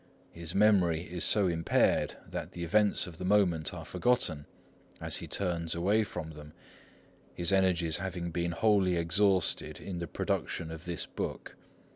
His memory is so impaired that the events of the moment are forgotten as he turns away from them, his energies having been wholly exhausted in the production of this book.